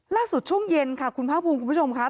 ล่าสุดช่วงเย็นค่ะคุณพระอภูมิคุณผู้ชมค่ะ